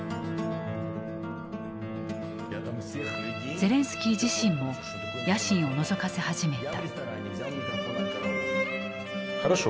ゼレンスキー自身も野心をのぞかせ始めた。